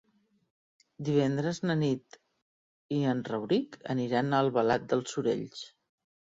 Divendres na Nit i en Rauric aniran a Albalat dels Sorells.